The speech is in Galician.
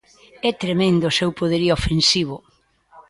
É tremendo o seu poderío ofensivo.